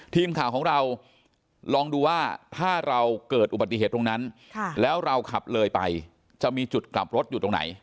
ทีมข่าวของเราลองดูว่าถ้าเราเกิดอุบัติเหตุตรงนั้นแล้วเราขับเลยไปจะมีจุดกลับรถอยู่ตรงไหน